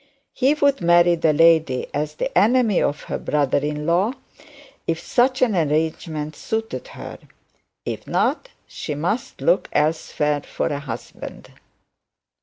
He would marry the lady as the enemy of her brother in law, if such an arrangement suited her; if not, she must look elsewhere for a husband.